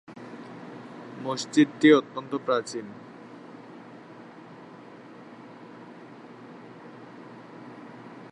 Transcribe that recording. মসজিদটি অত্যন্ত প্রাচীন।